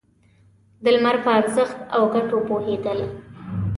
د لمر په ارزښت او گټو پوهېدل.